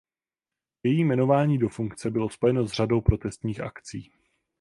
Její jmenování do funkce bylo spojeno s řadou protestních akcí.